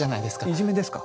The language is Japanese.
いじめですか？